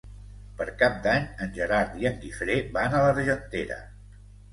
Per Cap d'Any en Gerard i en Guifré van a l'Argentera.